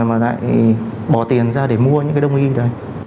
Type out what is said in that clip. mà lại bỏ tiền ra để mua những cái đông y đấy